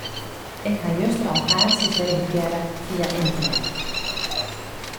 Ik ha juster al kaartsjes reservearre fia ynternet.